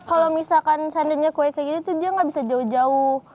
kalau misalkan seandainya kue kayak gini tuh dia nggak bisa jauh jauh